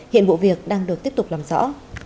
hiện vụ việc đang được tiếp tục làm rõ